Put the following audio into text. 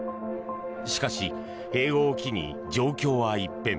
しかし、併合を機に状況は一変。